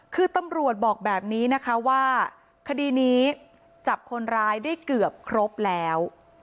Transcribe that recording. คือตำรวจบอกแบบนี้นะคะว่าคดีนี้จับคนร้ายได้เกือบครบแล้ว